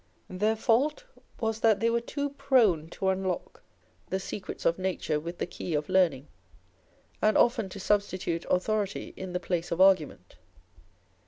Their fault was that they were too prone to unlock the secrets of nature with the key of learning, and often to substitute authority in the place of argument.